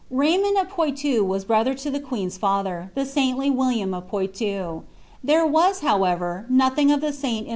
RnyinunJ of Poitou was brother lo the queen's father, the b WiIIhoi of Puiluu. There was, hnwever, nothing of the saint ii .